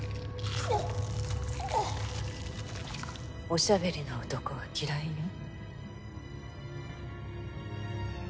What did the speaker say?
おしゃべりな男は嫌いよ